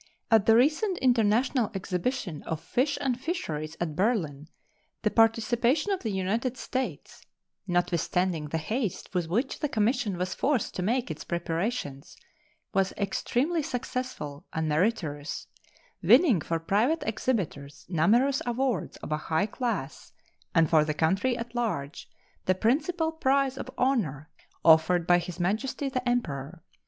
At the recent International Exhibition of Fish and Fisheries at Berlin the participation of the United States, notwithstanding the haste with which the commission was forced to make its preparations, was extremely successful and meritorious, winning for private exhibitors numerous awards of a high class and for the country at large the principal prize of honor offered by His Majesty the Emperor.